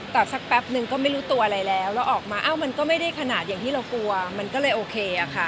แต่สักแป๊บนึงก็ไม่รู้ตัวอะไรแล้วแล้วออกมาเอ้ามันก็ไม่ได้ขนาดอย่างที่เรากลัวมันก็เลยโอเคอะค่ะ